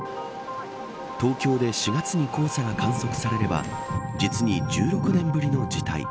東京で４月に黄砂が観測されれば実に１６年ぶりの事態。